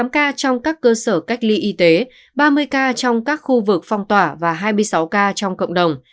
một mươi ca trong các cơ sở cách ly y tế ba mươi ca trong các khu vực phong tỏa và hai mươi sáu ca trong cộng đồng